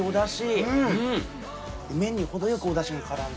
麺に程よくお出汁が絡んでて。